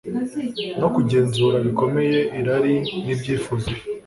no kugenzura bikomeye irari nibyifuzo bibi